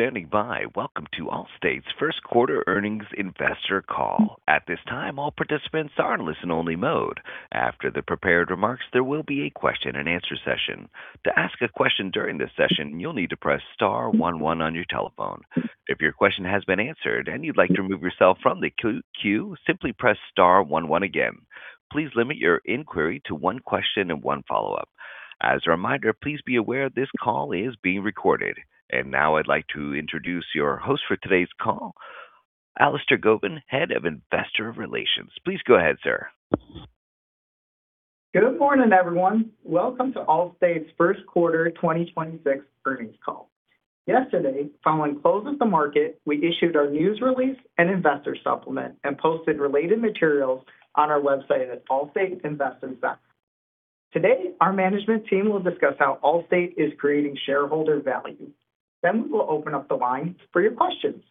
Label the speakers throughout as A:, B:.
A: Thank you for standing by. Welcome to Allstate's Q1 Earnings Investor Call. At this time, all participants are in listen only mode. After the prepared remarks, there will be a question and answer session. To ask a question during this session, you'll need to press star one one on your telephone. If your question has been answered and you'd like to remove yourself from the queue, simply press star one one again. Please limit your inquiry to one question and one follow-up. As a reminder, please be aware this call is being recorded. Now I'd like to introduce your host for today's call, Allister Gobin, Head of Investor Relations. Please go ahead, sir.
B: Good morning, everyone. Welcome to Allstate's Q1 2026 Earnings Call. Yesterday, following close of the market, we issued our news release and investor supplement and posted related materials on our website at allstateinvestors.com. Today, our management team will discuss how Allstate is creating shareholder value. We will open up the lines for your questions.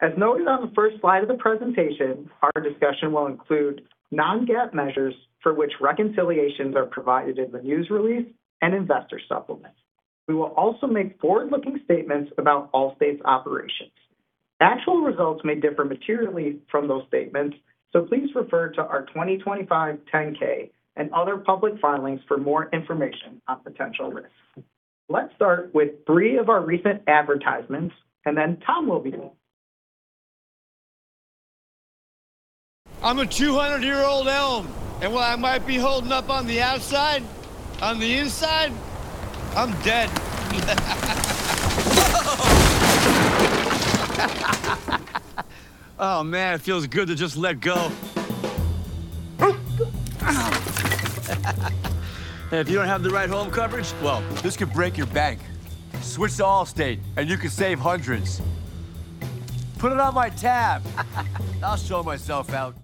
B: As noted on the first slide of the presentation, our discussion will include non-GAAP measures for which reconciliations are provided in the news release and investor supplement. We will also make forward-looking statements about Allstate's operations. Actual results may differ materially from those statements, please refer to our 2025 Form 10-K and other public filings for more information on potential risks. Let's start with three of our recent advertisements, and then Tom will begin.
C: I'm a 200-year-old elm, and while I might be holding up on the outside, on the inside, I'm dead. Whoa. Oh man, it feels good to just let go. If you don't have the right home coverage, well, this could break your bank. Switch to Allstate and you could save hundreds. Put it on my tab. I'll show myself out.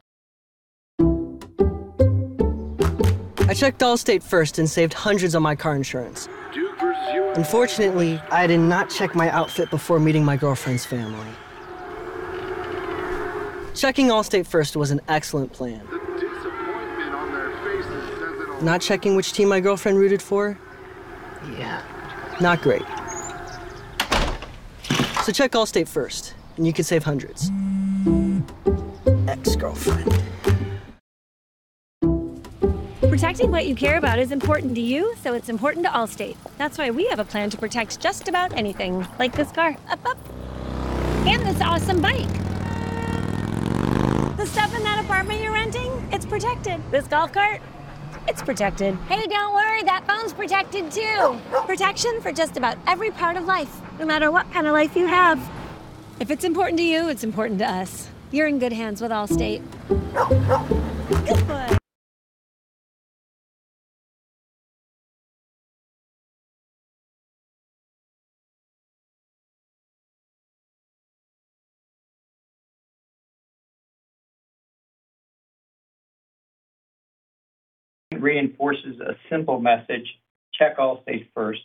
C: I checked Allstate first and saved hundreds on my car insurance. Unfortunately, I did not check my outfit before meeting my girlfriend's family. Checking Allstate first was an excellent plan. Not checking which team my girlfriend rooted for, yeah, not great. Check Allstate first, and you could save hundreds. Ex-girlfriend. Protecting what you care about is important to you, so it's important to Allstate. That's why we have a plan to protect just about anything, like this car. Up, up. This awesome bike. The stuff in that apartment you're renting, it's protected. This golf cart, it's protected. Hey, don't worry, that phone's protected too. Protection for just about every part of life, no matter what kind of life you have. If it's important to you, it's important to us. You're in good hands with Allstate. Good boy.
D: Reinforces a simple message, check Allstate first.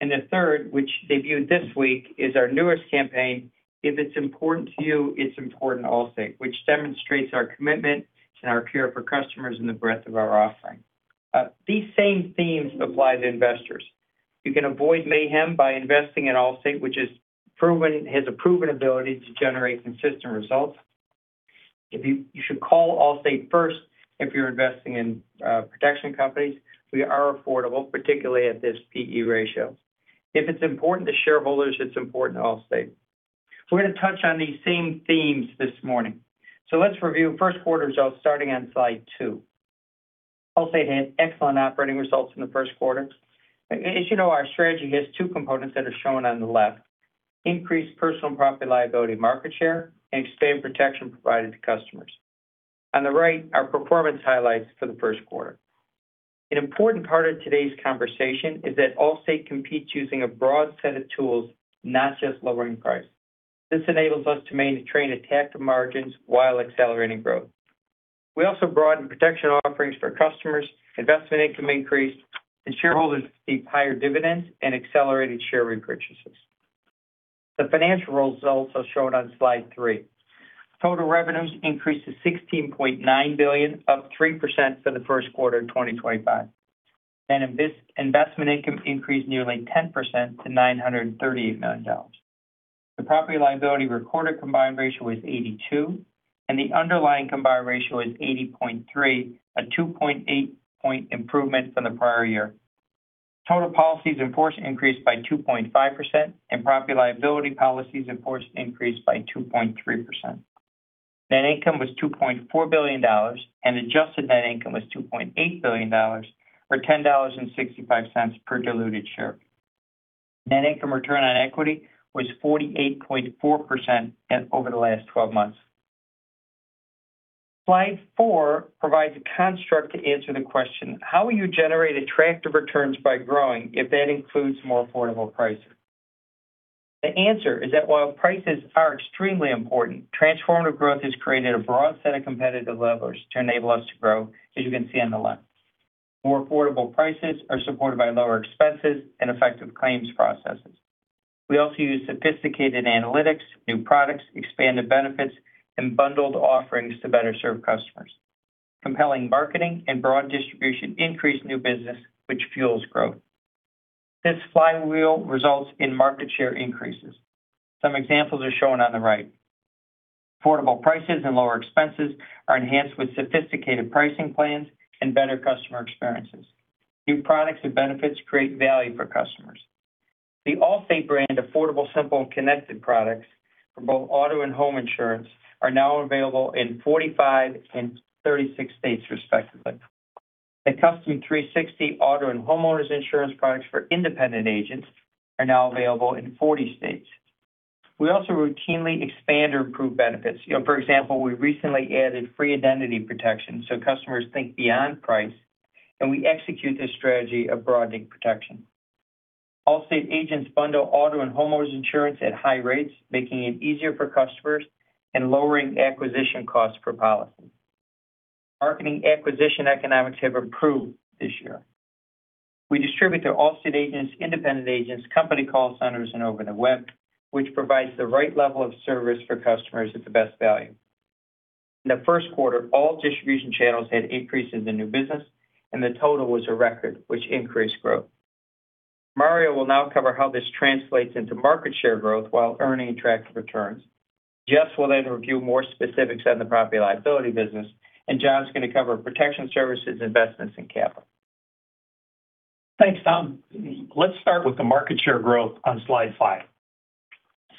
D: The third, which debuted this week, is our newest campaign, If it's important to you, it's important to Allstate, which demonstrates our commitment and our care for customers and the breadth of our offering. These same themes apply to investors. You can avoid mayhem by investing in Allstate, which has a proven ability to generate consistent results. You should call Allstate first if you're investing in protection companies. We are affordable, particularly at this P/E ratio. If it's important to shareholders, it's important to Allstate. We're gonna touch on these same themes this morning. Let's review Q1 results starting on slide two. Allstate had excellent operating results in the Q1. As you know, our strategy has 2 components that are shown on the left, increased personal and property liability market share and expanded protection provided to customers. On the right are performance highlights for the 1st quarter. An important part of today's conversation is that Allstate competes using a broad set of tools, not just lowering price. This enables us to maintain attractive margins while accelerating growth. We also broaden protection offerings for customers, investment income increased, and shareholders received higher dividends and accelerated share repurchases. The financial results are shown on slide three. Total revenues increased to $16.9 billion, up 3% for the Q1 of 2025. Investment income increased nearly 10% to $938 million. The property and liability recorded combined ratio is 82, and the underlying combined ratio is 80.3, a 2.8 point improvement from the prior year. Total policies in force increased by 2.5%, and property and liability policies in force increased by 2.3%. Net income was $2.4 billion, and adjusted net income was $2.8 billion, or $10.65 per diluted share. Net income return on equity was 48.4% over the last 12 months. Slide four provides a construct to answer the question: How will you generate attractive returns by growing if that includes more affordable pricing? The answer is that while prices are extremely important, transformative growth has created a broad set of competitive levers to enable us to grow, as you can see on the left. More affordable prices are supported by lower expenses and effective claims processes. We also use sophisticated analytics, new products, expanded benefits, and bundled offerings to better serve customers. Compelling marketing and broad distribution increase new business, which fuels growth. This flywheel results in market share increases. Some examples are shown on the right. Affordable prices and lower expenses are enhanced with sophisticated pricing plans and better customer experiences. New products and benefits create value for customers. The Allstate brand affordable, simple, and connected products for both auto and home insurance are now available in 45 and 36 states respectively. The Custom 360 Auto and Homeowners Insurance products for independent agents are now available in 40 states. We also routinely expand or improve benefits. You know, for example, we recently added free Allstate Identity Protection, so customers think beyond price, and we execute this strategy of broadening protection. Allstate agents bundle auto and homeowners insurance at high rates, making it easier for customers and lowering acquisition costs per policy. Marketing acquisition economics have improved this year. We distribute to Allstate agents, independent agents, company call centers, and over the web, which provides the right level of service for customers at the best value. In the Q1, all distribution channels had increases in new business, and the total was a record, which increased growth. Mario will now cover how this translates into market share growth while earning attractive returns. Jess will then review more specifics on the Property-Liability business, and John's going to cover Protection Services, investments, and capital.
E: Thanks, Tom. Let's start with the market share growth on slide five.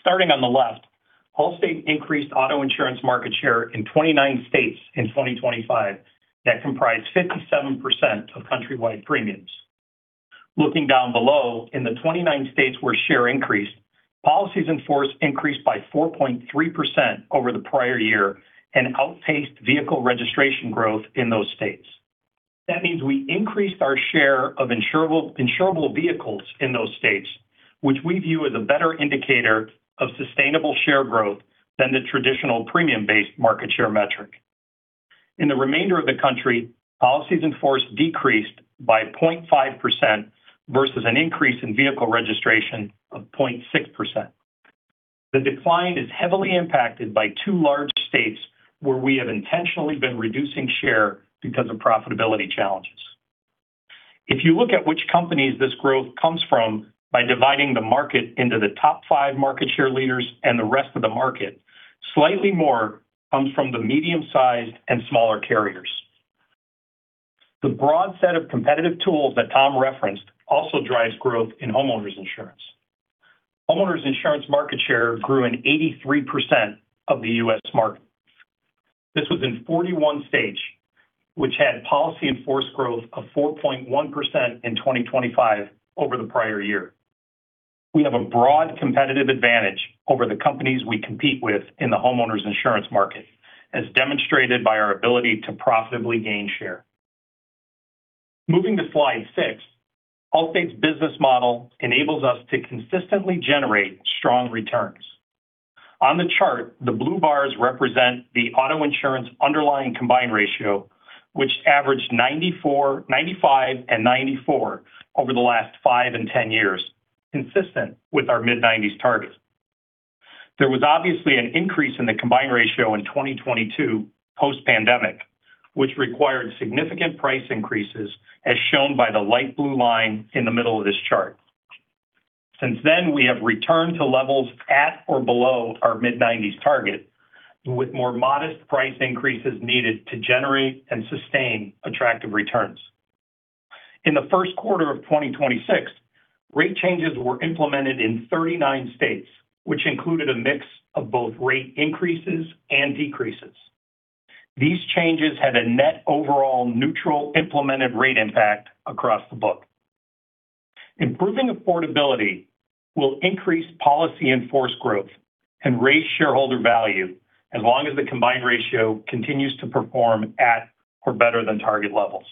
E: Starting on the left, Allstate increased auto insurance market share in 29 states in 2025 that comprise 57% of countrywide premiums. Looking down below, in the 29 states where share increased, policies in force increased by 4.3% over the prior year and outpaced vehicle registration growth in those states. That means we increased our share of insurable vehicles in those states, which we view as a better indicator of sustainable share growth than the traditional premium-based market share metric. In the remainder of the country, policies in force decreased by 0.5% versus an increase in vehicle registration of 0.6%. The decline is heavily impacted by two large states where we have intentionally been reducing share because of profitability challenges. If you look at which companies this growth comes from by dividing the market into the top 5 market share leaders and the rest of the market, slightly more comes from the medium-sized and smaller carriers. The broad set of competitive tools that Tom referenced also drives growth in homeowners insurance. Homeowners insurance market share grew in 83% of the U.S. market. This was in 41 states which had policies in force growth of 4.1% in 2025 over the prior year. We have a broad competitive advantage over the companies we compete with in the homeowners insurance market, as demonstrated by our ability to profitably gain share. Moving to slide six, Allstate's business model enables us to consistently generate strong returns. On the chart, the blue bars represent the auto insurance underlying combined ratio, which averaged 95 and 94 over the last 5 and 10 years, consistent with our mid-nineties target. There was obviously an increase in the combined ratio in 2022 post-pandemic, which required significant price increases, as shown by the light blue line in the middle of this chart. Since then, we have returned to levels at or below our mid-nineties target with more modest price increases needed to generate and sustain attractive returns. In the Q1 of 2026, rate changes were implemented in 39 states, which included a mix of both rate increases and decreases. These changes had a net overall neutral implemented rate impact across the book. Improving affordability will increase policies in force growth and raise shareholder value as long as the combined ratio continues to perform at or better than target levels.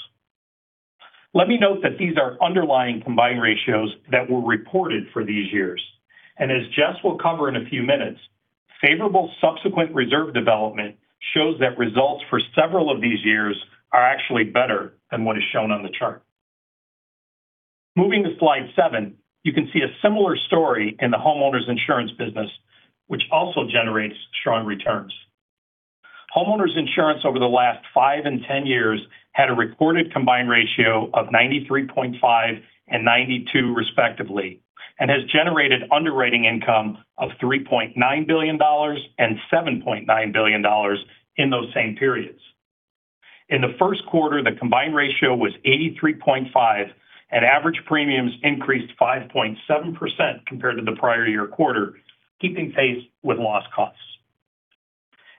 E: Let me note that these are underlying combined ratios that were reported for these years. As Jess will cover in a few minutes, favorable subsequent reserve development shows that results for several of these years are actually better than what is shown on the chart. Moving to slide seven, you can see a similar story in the homeowners insurance business, which also generates strong returns. Homeowners insurance over the last 5 and 10 years had a reported combined ratio of 93.5 and 92 respectively, and has generated underwriting income of $3.9 billion and $7.9 billion in those same periods. In the Q1, the combined ratio was 83.5. Average premiums increased 5.7% compared to the prior year quarter, keeping pace with loss costs.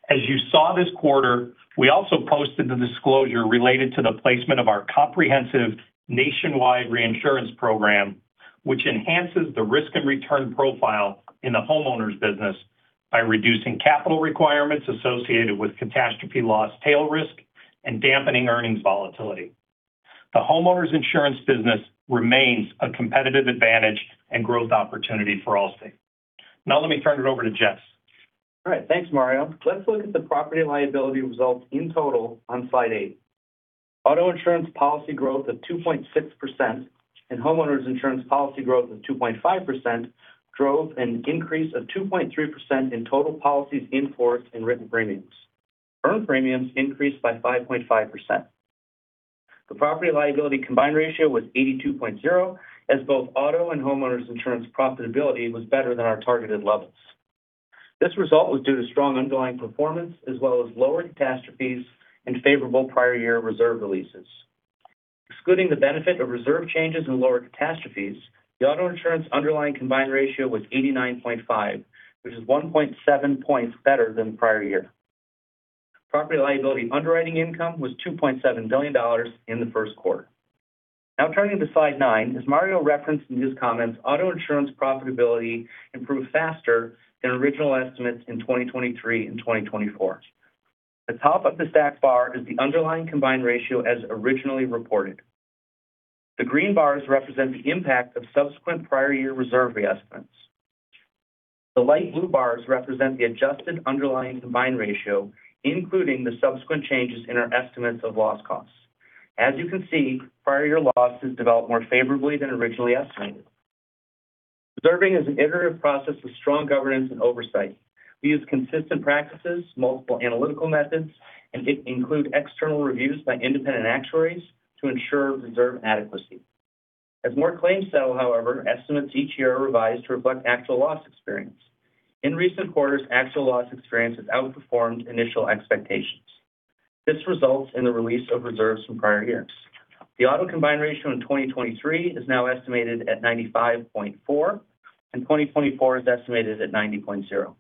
E: As you saw this quarter, we also posted the disclosure related to the placement of our comprehensive nationwide reinsurance program, which enhances the risk and return profile in the homeowners business by reducing capital requirements associated with catastrophe loss tail risk and dampening earnings volatility. The homeowners insurance business remains a competitive advantage and growth opportunity for Allstate. Now let me turn it over to Jess.
F: All right. Thanks, Mario. Let's look at the Property-Liability results in total on slide eight. Auto insurance policy growth of 2.6% and homeowners insurance policy growth of 2.5% drove an increase of 2.3% in total policies in force and written premiums. Earned premiums increased by 5.5%. The Property-Liability combined ratio was 82.0% as both auto and homeowners insurance profitability was better than our targeted levels. This result was due to strong underlying performance as well as lower catastrophes and favorable prior year reserve releases. Excluding the benefit of reserve changes and lower catastrophes, the auto insurance underlying combined ratio was 89.5%, which is 1.7 points better than prior year. Property-Liability underwriting income was $2.7 billion in the Q1. Now turning to slide nine, as Mario referenced in his comments, auto insurance profitability improved faster than original estimates in 2023 and 2024. The top of the stacked bar is the underlying combined ratio as originally reported. The green bars represent the impact of subsequent prior year reserve re-estimates. The light blue bars represent the adjusted underlying combined ratio, including the subsequent changes in our estimates of loss costs. As you can see, prior year losses developed more favorably than originally estimated. Reserving is an iterative process with strong governance and oversight. We use consistent practices, multiple analytical methods, and include external reviews by independent actuaries to ensure reserve adequacy. As more claims settle, however, estimates each year are revised to reflect actual loss experience. In recent quarters, actual loss experience has outperformed initial expectations. This results in the release of reserves from prior years. The auto combined ratio in 2023 is now estimated at 95.4%, and 2024 is estimated at 90.0%.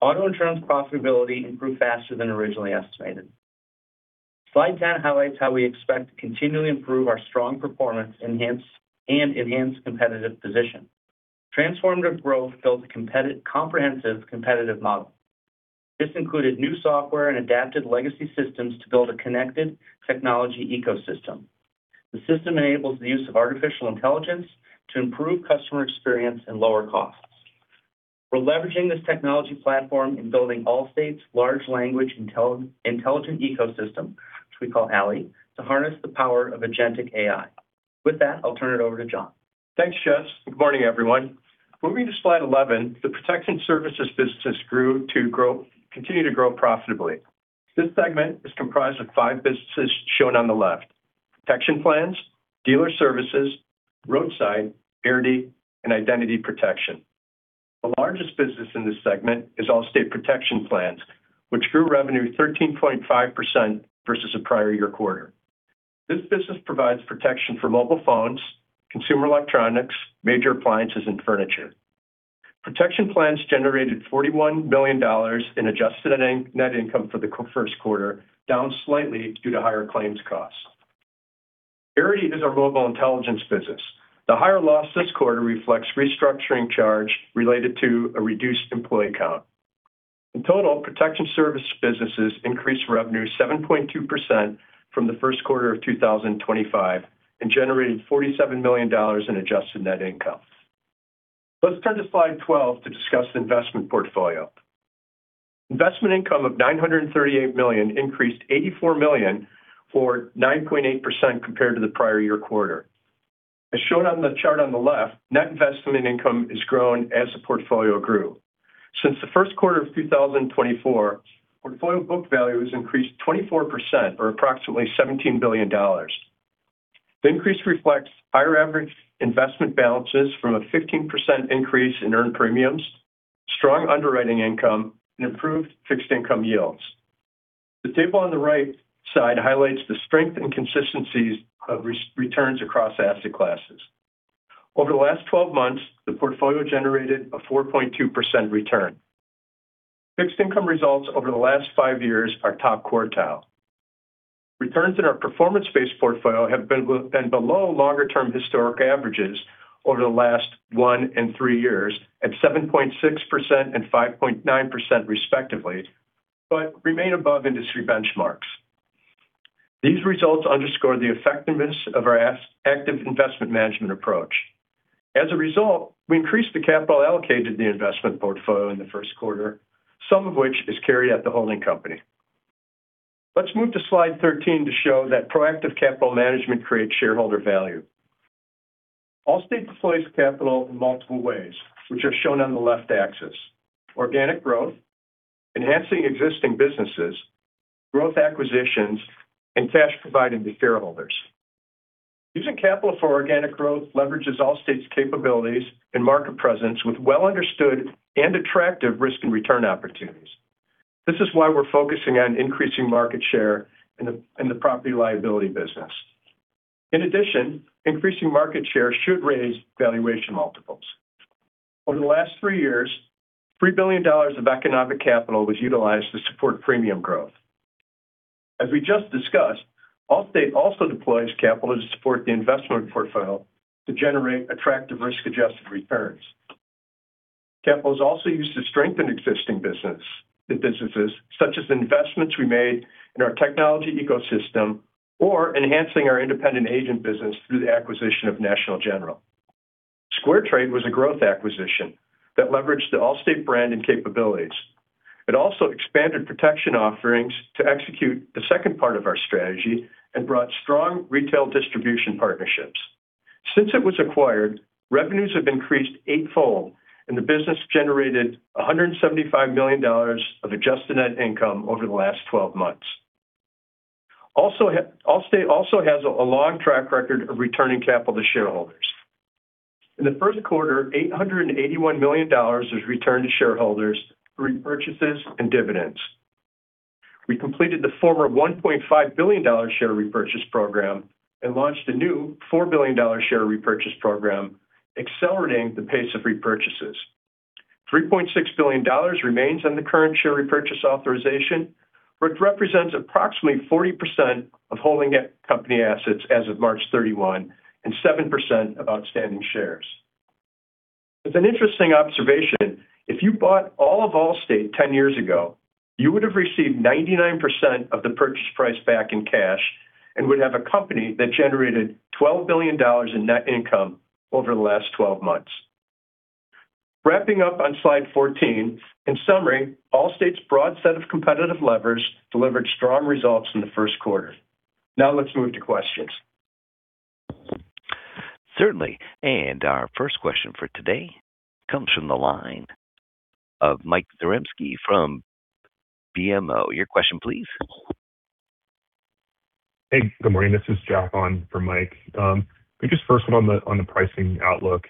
F: Auto insurance profitability improved faster than originally estimated. Slide 10 highlights how we expect to continually improve our strong performance and enhance competitive position. Transformative growth built a comprehensive competitive model. This included new software and adapted legacy systems to build a connected technology ecosystem. The system enables the use of artificial intelligence to improve customer experience and lower costs. We're leveraging this technology platform in building Allstate's large language intelligent ecosystem, which we call ALLIE, to harness the power of agentic AI. With that, I'll turn it over to John.
G: Thanks, Jess. Good morning, everyone. Moving to slide 11, the protection services business continue to grow profitably. This segment is comprised of 5 businesses shown on the left: protection plans, dealer services, roadside, Arity, and identity protection. The largest business in this segment is Allstate Protection Plans, which grew revenue 13.5% versus the prior year quarter. This business provides protection for mobile phones, consumer electronics, major appliances, and furniture. Protection plans generated $41 million in adjusted net income for the Q1, down slightly due to higher claims costs. Arity is our mobile intelligence business. The higher loss this quarter reflects restructuring charge related to a reduced employee count. In total, protection services businesses increased revenue 7.2% from the Q1 of 2025 and generated $47 million in adjusted net income. Let's turn to slide 12 to discuss investment portfolio. Investment income of $938 million increased $84 million, or 9.8% compared to the prior year quarter. As shown on the chart on the left, net investment income has grown as the portfolio grew. Since the Q1 of 2024, portfolio book value has increased 24% or approximately $17 billion. The increase reflects higher average investment balances from a 15% increase in earned premiums, strong underwriting income, and improved fixed income yields. The table on the right side highlights the strength and consistency of returns across asset classes. Over the last 12 months, the portfolio generated a 4.2% return. Fixed income results over the last 5 years are top quartile. Returns in our performance-based portfolio have been below longer-term historic averages over the last 1 and 3 years at 7.6% and 5.9% respectively, but remain above industry benchmarks. These results underscore the effectiveness of our active investment management approach. As a result, we increased the capital allocated to the investment portfolio in the Q1, some of which is carried at the holding company. Let's move to slide 13 to show that proactive capital management creates shareholder value. Allstate deploys capital in multiple ways, which are shown on the left axis. Organic growth, enhancing existing businesses, growth acquisitions, and cash provided to shareholders. Using capital for organic growth leverages Allstate's capabilities and market presence with well understood and attractive risk and return opportunities. This is why we're focusing on increasing market share in the Property-Liability business. In addition, increasing market share should raise valuation multiples. Over the last 3 years, $3 billion of economic capital was utilized to support premium growth. As we just discussed, Allstate also deploys capital to support the investment portfolio to generate attractive risk-adjusted returns. Capital is also used to strengthen existing business, the businesses, such as investments we made in our technology ecosystem or enhancing our independent agent business through the acquisition of National General. SquareTrade was a growth acquisition that leveraged the Allstate brand and capabilities. It also expanded protection offerings to execute the second part of our strategy and brought strong retail distribution partnerships. Since it was acquired, revenues have increased eightfold and the business generated $175 million of adjusted net income over the last 12 months. Allstate also has a long track record of returning capital to shareholders. In the Q1, $881 million was returned to shareholders through repurchases and dividends. We completed the former $1.5 billion share repurchase program and launched a new $4 billion share repurchase program, accelerating the pace of repurchases. $3.6 billion remains on the current share repurchase authorization, which represents approximately 40% of holding company assets as of March 31 and 7% of outstanding shares. As an interesting observation, if you bought all of Allstate 10 years ago, you would have received 99% of the purchase price back in cash and would have a company that generated $12 billion in net income over the last 12 months. Wrapping up on slide 14, in summary, Allstate's broad set of competitive levers delivered strong results in the Q1. Now let's move to questions.
A: Certainly. Our first question for today comes from the line of Michael Zaremski from BMO. Your question please.
H: Hey, good morning. This is Jack on for Mike. Maybe just first on the pricing outlook,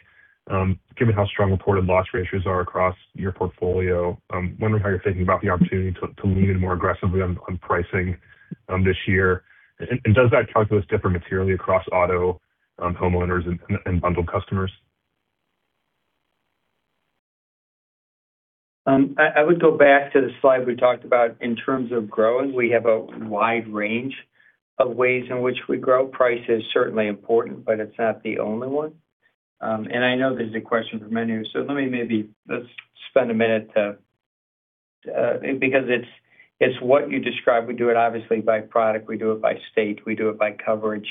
H: given how strong reported loss ratios are across your portfolio, I'm wondering how you're thinking about the opportunity to lean in more aggressively on pricing this year, and does that calculus differ materially across auto, homeowners and bundled customers?
D: I would go back to the slide we talked about in terms of growing. We have a wide range of ways in which we grow. Price is certainly important, but it's not the only one. I know this is a question for many of you, let's spend a minute to. Because it's what you describe. We do it obviously by product, we do it by state, we do it by coverage.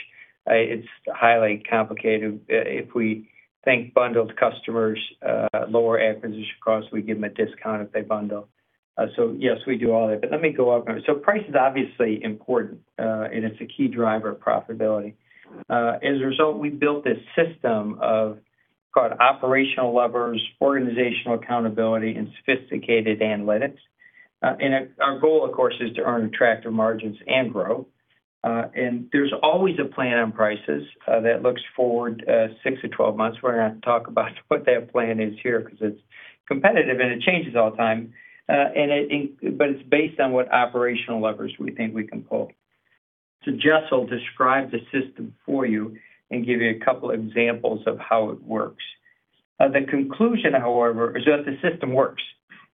D: It's highly complicated. If we think bundled customers, lower acquisition costs, we give them a discount if they bundle. Yes, we do all that. Let me go out. Price is obviously important, and it's a key driver of profitability. As a result, we built this system called operational levers, organizational accountability, and sophisticated analytics. Our goal of course is to earn attractive margins and grow. There's always a plan on prices that looks forward 6 to 12 months. We're not gonna talk about what that plan is here because it's competitive and it changes all the time. It's based on what operational levers we think we can pull. Jess will describe the system for you and give you a couple examples of how it works. The conclusion, however, is that the system works.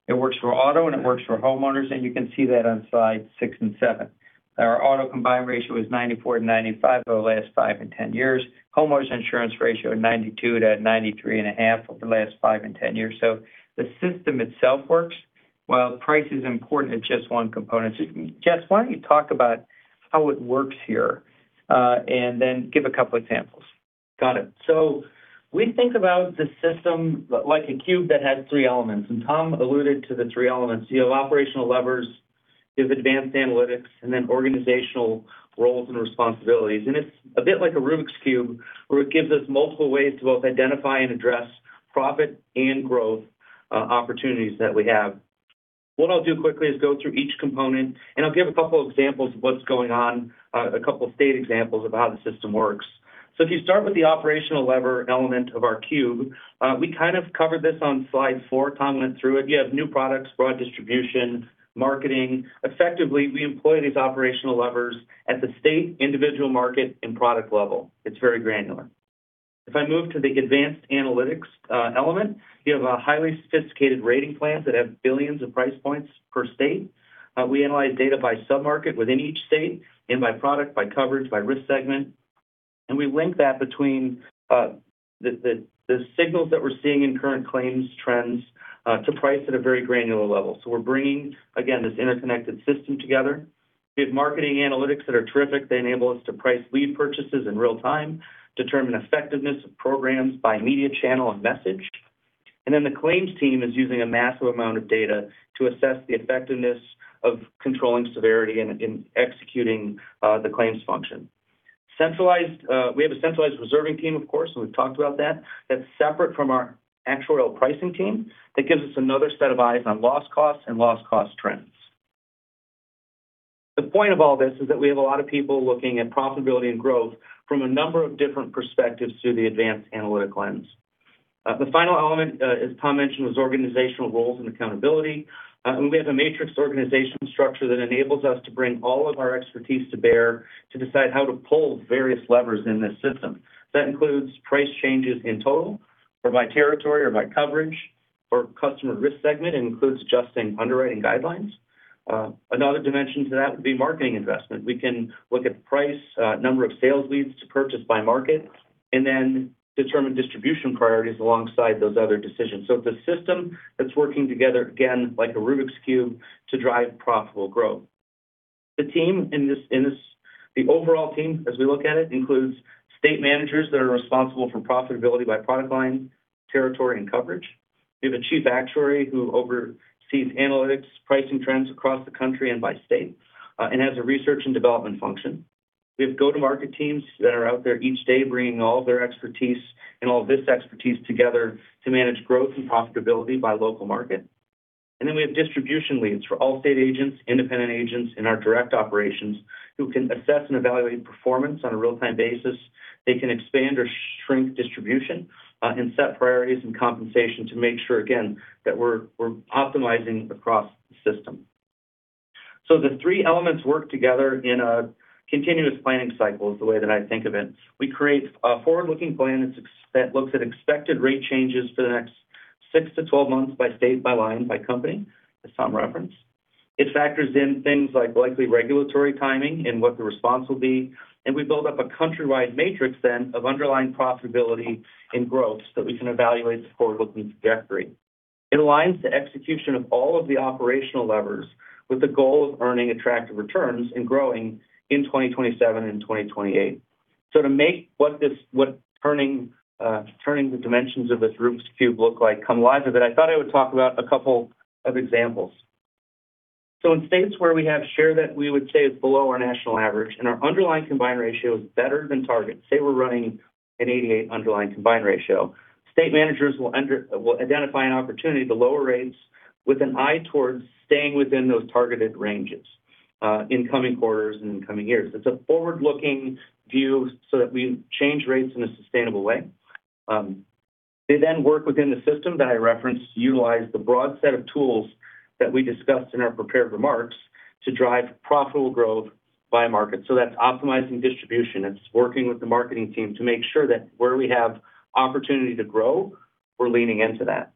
D: It works for auto and it works for homeowners, and you can see that on slide six and seven. Our auto combined ratio is 94%-95% over the last 5 and 10 years. Homeowners combined ratio 92%-93.5% over the last 5 and 10 years. The system itself works. While price is important, it's just one component. Jess, why don't you talk about how it works here, and then give a couple examples.
F: Got it. We think about the system like a cube that has three elements, and Tom alluded to the three elements. You have operational levers, you have advanced analytics, and then organizational roles and responsibilities. It's a bit like a Rubik's Cube, where it gives us multiple ways to both identify and address profit and growth opportunities that we have. What I'll do quickly is go through each component and I'll give a couple examples of what's going on, a couple state examples of how the system works. If you start with the operational lever element of our cube, we kind of covered this on slide four. Tom went through it. You have new products, broad distribution, marketing. Effectively, we employ these operational levers at the state individual market and product level. It's very granular. If I move to the advanced analytics element, you have a highly sophisticated rating plans that have billions of price points per state. We analyze data by sub-market within each state and by product, by coverage, by risk segment. We link that between the signals that we're seeing in current claims trends to price at a very granular level. We're bringing again this interconnected system together. We have marketing analytics that are terrific. They enable us to price lead purchases in real time, determine effectiveness of programs by media channel and message. The claims team is using a massive amount of data to assess the effectiveness of controlling severity and executing the claims function. We have a centralized reserving team of course, and we've talked about that. That's separate from our actuarial pricing team. That gives us another set of eyes on loss costs and loss cost trends. The point of all this is that we have a lot of people looking at profitability and growth from a number of different perspectives through the advanced analytic lens. The final element, as Tom mentioned, was organizational roles and accountability. We have a matrix organization structure that enables us to bring all of our expertise to bear to decide how to pull various levers in this system. That includes price changes in total or by territory or by coverage or customer risk segment. It includes adjusting underwriting guidelines. Another dimension to that would be marketing investment. We can look at price, number of sales leads to purchase by market, and then determine distribution priorities alongside those other decisions. It's a system that's working together, again, like a Rubik's Cube to drive profitable growth. The overall team, as we look at it, includes state managers that are responsible for profitability by product line, territory, and coverage. We have a chief actuary who oversees analytics, pricing trends across the country and by state, and has a research and development function. We have go-to-market teams that are out there each day bringing all their expertise and all this expertise together to manage growth and profitability by local market. Then we have distribution leads for Allstate agents, independent agents in our direct operations who can assess and evaluate performance on a real-time basis. They can expand or shrink distribution, and set priorities and compensation to make sure, again, that we're optimizing across the system. The three elements work together in a continuous planning cycle, is the way that I think of it. We create a forward-looking plan that looks at expected rate changes for the next 6-12 months by state, by line, by company, as Tom referenced. It factors in things like likely regulatory timing and what the response will be, and we build up a countrywide matrix then of underlying profitability and growth so that we can evaluate the forward-looking trajectory. It aligns the execution of all of the operational levers with the goal of earning attractive returns and growing in 2027 and 2028. To make turning the dimensions of this Rubik's Cube look like come alive a bit, I thought I would talk about a couple of examples. In states where we have share that we would say is below our national average and our underlying combined ratio is better than target, say we're running an 88 underlying combined ratio, state managers will identify an opportunity to lower rates with an eye towards staying within those targeted ranges, in coming quarters and in coming years. It's a forward-looking view so that we change rates in a sustainable way. They then work within the system that I referenced to utilize the broad set of tools that we discussed in our prepared remarks to drive profitable growth by market. That's optimizing distribution. It's working with the marketing team to make sure that where we have opportunity to grow, we're leaning into that.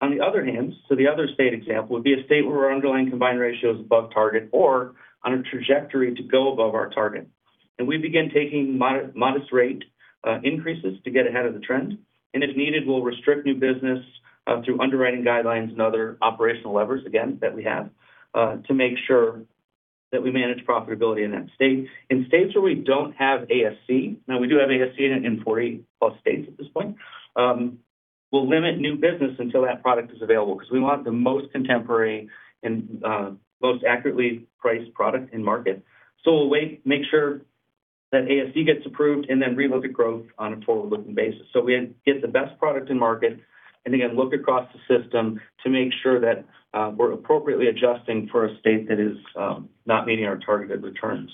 F: On the other hand, the other state example would be a state where our underlying combined ratio is above target or on a trajectory to go above our target. We begin taking modest rate increases to get ahead of the trend. If needed, we'll restrict new business through underwriting guidelines and other operational levers, again, that we have to make sure that we manage profitability in that state. In states where we don't have ASC, now we do have ASC in 40-plus states at this point, we'll limit new business until that product is available because we want the most contemporary and most accurately priced product in market. We'll wait, make sure that ASC gets approved and then relook at growth on a forward-looking basis. We get the best product in market and, again, look across the system to make sure that, we're appropriately adjusting for a state that is, not meeting our targeted returns.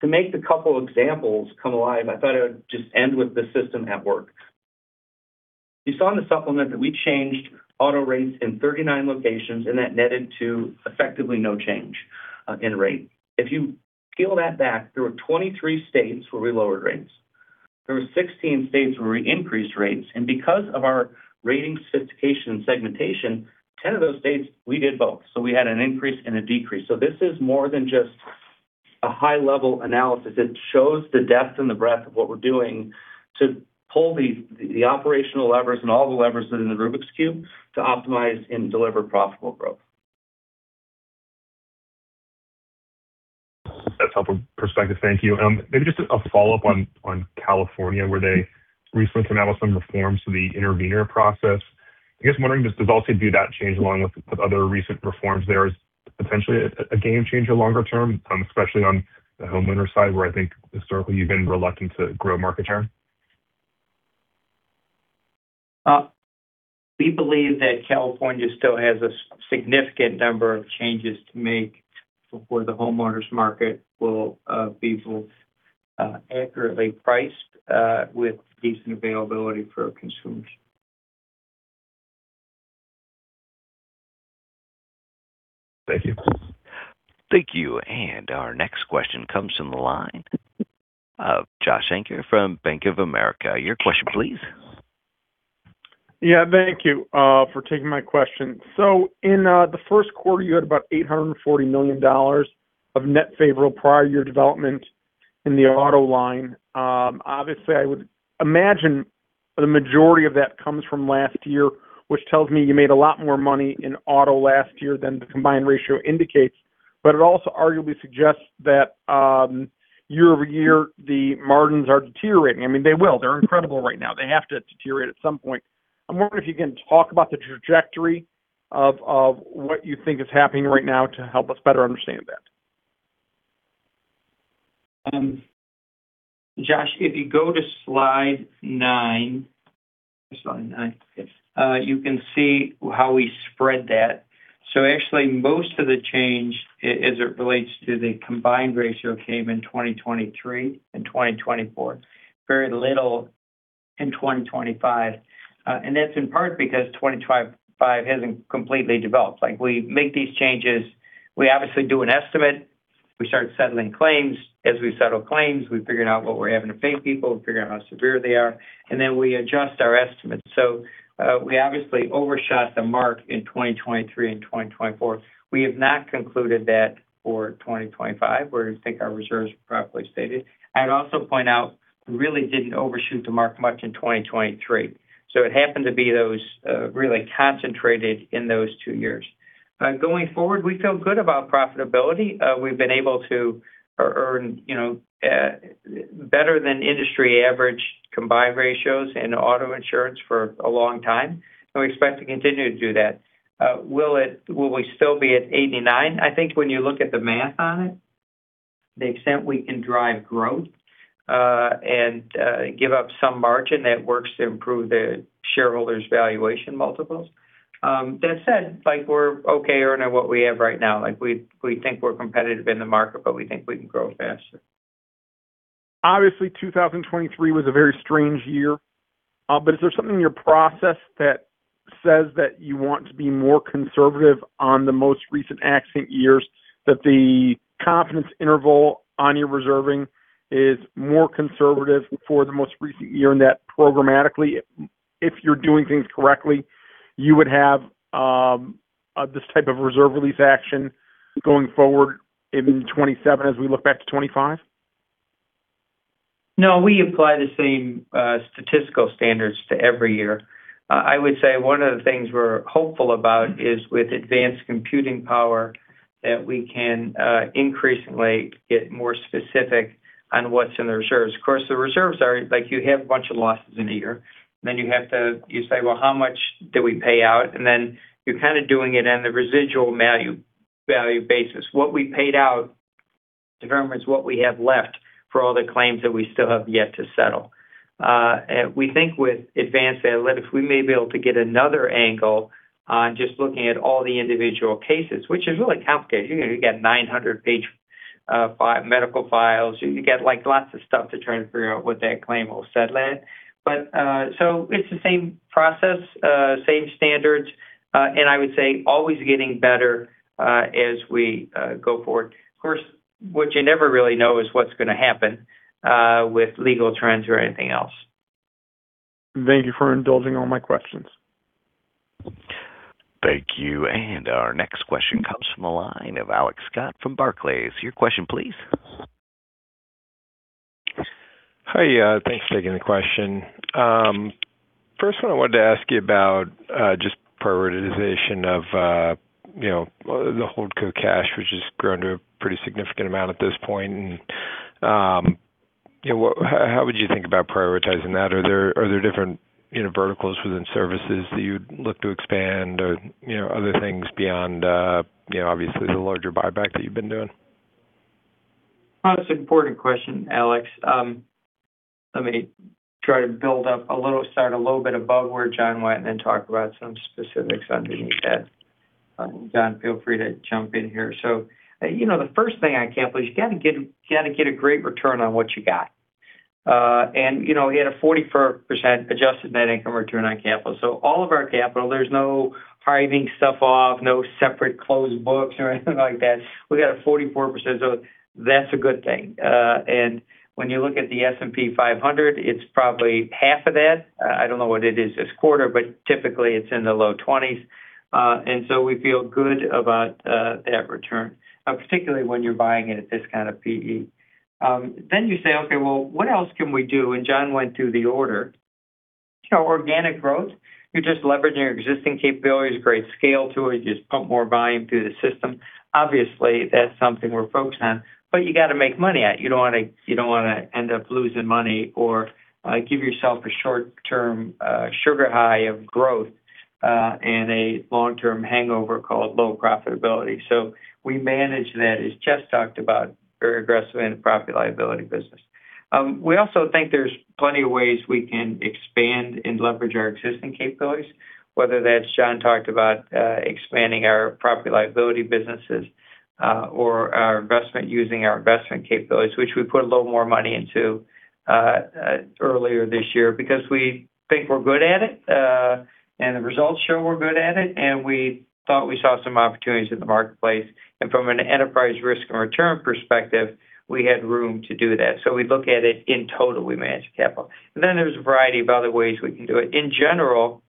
F: To make the couple examples come alive, I thought I would just end with the system at work. You saw in the supplement that we changed auto rates in 39 locations, and that netted to effectively no change, in rate. If you peel that back, there were 23 states where we lowered rates. There were 16 states where we increased rates. Because of our rating sophistication and segmentation, 10 of those states, we did both. We had an increase and a decrease. This is more than just a high-level analysis. It shows the depth and the breadth of what we're doing to pull the operational levers and all the levers that are in the Rubik's Cube to optimize and deliver profitable growth.
H: That's helpful perspective. Thank you. Maybe just a follow-up on California, where they recently came out with some reforms to the intervenor process. I guess wondering, does that change along with other recent reforms, there is potentially a game changer longer term, especially on the homeowner side, where I think historically you've been reluctant to grow market share?
D: We believe that California still has a significant number of changes to make before the homeowners market will be accurately priced with decent availability for consumers.
H: Thank you.
A: Thank you. Our next question comes from the line of Josh Shanker from Bank of America. Your question please.
I: Yeah. Thank you, for taking my question. In the Q1, you had about $840 million of net favorable prior year development in the auto line. Obviously, I would imagine the majority of that comes from last year, which tells me you made a lot more money in auto last year than the combined ratio indicates. It also arguably suggests that, year-over-year, the margins are deteriorating. I mean, they will. They're incredible right now. They have to deteriorate at some point. I'm wondering if you can talk about the trajectory of what you think is happening right now to help us better understand that.
D: Josh, if you go to slide nine. Slide nine. You can see how we spread that. Actually, most of the change as it relates to the combined ratio came in 2023 and 2024. Very little in 2025. That's in part because 2025 hasn't completely developed. Like, we make these changes, we obviously do an estimate. We start settling claims. As we settle claims, we figure out what we're having to pay people, figure out how severe they are, and then we adjust our estimates. We obviously overshot the mark in 2023 and 2024. We have not concluded that for 2025. We think our reserves are properly stated. I'd also point out we really didn't overshoot the mark much in 2023. It happened to be those really concentrated in those two years. Going forward, we feel good about profitability. We've been able to earn, you know, better than industry average combined ratios in auto insurance for a long time, and we expect to continue to do that. Will we still be at 89? I think when you look at the math on it, the extent we can drive growth and give up some margin that works to improve the shareholders' valuation multiples. That said, like we're okay earning what we have right now. Like we think we're competitive in the market, but we think we can grow faster.
I: Obviously, 2023 was a very strange year. Is there something in your process that says that you want to be more conservative on the most recent accident years, that the confidence interval on your reserving is more conservative for the most recent year and that programmatically, if you're doing things correctly, you would have this type of reserve release action going forward into 2027 as we look back to 2025?
D: No, we apply the same statistical standards to every year. I would say one of the things we're hopeful about is with advanced computing power that we can increasingly get more specific on what's in the reserves. Of course, the reserves are like you have a bunch of losses in a year, then you have to. You say, "Well, how much do we pay out?" Then you're kind of doing it on the residual value basis. What we paid out determines what we have left for all the claims that we still have yet to settle. We think with advanced analytics, we may be able to get another angle on just looking at all the individual cases, which is really complicated. You know, you get 900-page medical files. You get like lots of stuff to try and figure out what that claim will settle at. It's the same process, same standards, and I would say always getting better, as we go forward. Of course, what you never really know is what's gonna happen, with legal trends or anything else.
I: Thank you for indulging all my questions.
A: Thank you. Our next question comes from the line of Alex Scott from Barclays. Your question, please.
J: Hi. Thanks for taking the question. First one I wanted to ask you about, just prioritization of, you know, the holdco cash, which has grown to a pretty significant amount at this point. You know, how would you think about prioritizing that? Are there different, you know, verticals within services that you'd look to expand or, you know, other things beyond, you know, obviously the larger buyback that you've been doing?
D: Well, it's an important question, Alex. Let me try to build up a little, start a little bit above where John went and then talk about some specifics underneath that. John, feel free to jump in here. You know, the first thing on capital is you got to get a great return on what you got. You know, we had a 44% adjusted net income return on capital. All of our capital, there's no hiving stuff off, no separate closed books or anything like that. We got a 44%, so that's a good thing. When you look at the S&P 500, it's probably half of that. I don't know what it is this quarter, but typically it's in the low 20s. We feel good about that return, particularly when you're buying it at this kind of P/E. You say, "Okay, well, what else can we do?" John went through the order. You know, organic growth, you're just leveraging your existing capabilities, great scale to it. You just pump more volume through the system. Obviously, that's something we're focused on, but you got to make money at it. You don't wanna end up losing money or give yourself a short-term sugar high of growth and a long-term hangover called low profitability. We manage that, as Jess talked about, very aggressively in the Property-Liability business. We also think there's plenty of ways we can expand and leverage our existing capabilities, whether that's John talked about, expanding our property liability businesses, or our investment using our investment capabilities, which we put a little more money into earlier this year because we think we're good at it, and the results show we're good at it, and we thought we saw some opportunities in the marketplace. From an enterprise risk and return perspective, we had room to do that. We look at it in total, we manage capital. Then there's a variety of other ways we can do it. In general,